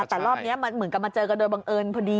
แต่รอบนี้มันเหมือนกับมาเจอกันโดยบังเอิญพอดี